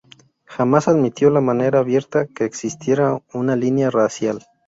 Jamás se admitió de manera abierta que existiera una línea racial.